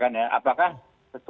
bagai kana mesmo